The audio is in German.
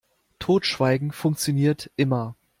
Totschweigen funktioniert immer.